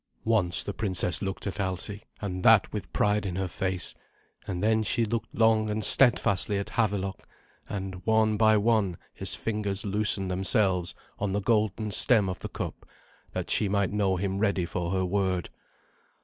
Once the princess looked at Alsi, and that with pride in her face, and then she looked long and steadfastly at Havelok, and one by one his fingers loosened themselves on the golden stem of the cup, that she might know him ready for her word.